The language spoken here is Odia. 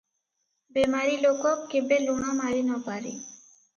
ବେମାରି ଲୋକ କେବେ ଲୁଣ ମାରି ନ ପାରେ ।